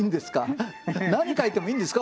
何書いてもいいんですか？